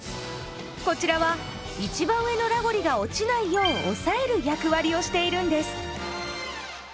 こちらは一番上のラゴリが落ちないようおさえる役割をしているんです。